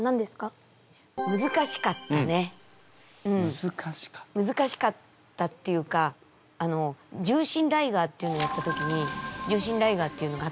むずかしかったっていうかあの「獣神ライガー」っていうのをやった時に「獣神ライガー」っていうのがあったんですよ。